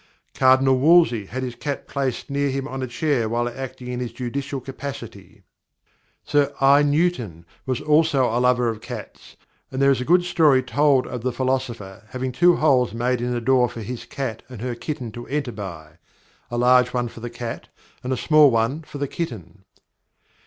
Cardinal Wolsey had his cat placed near him on a chair while acting in his judicial capacity. Sir I. Newton was also a lover of cats, and there is a good story told of the philosopher having two holes made in a door for his cat and her kitten to enter by a large one for the cat, and a small one for the kitten.